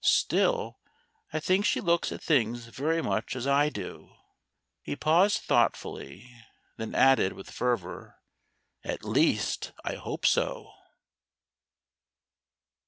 Still, I think she looks at things very much as I do." He paused thoughtfully. Then added with fervour, "At least I hope so."